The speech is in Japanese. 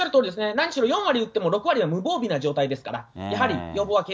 何しろ４割打っても６割は無防備な状態ですから、やはり予防は継